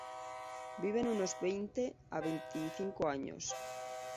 Viven unos veinte a veinticinco años.